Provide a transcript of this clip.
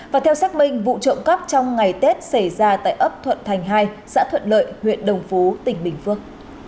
và theo xác minh vụ trộm cắp trong ngày tết xảy ra tại ấp thuận thành hai xã thuận lợi huyện đồng phú tỉnh bình phước